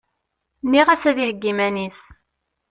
Nniɣ-as ad iheggi iman-is.